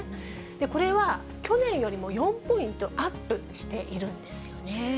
これは去年よりも４ポイントアップしているんですよね。